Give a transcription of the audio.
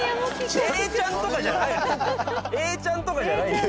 永ちゃんとかじゃないの？